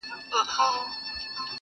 o د سپي د نيستيه ئې چغال تناو کړی دئ!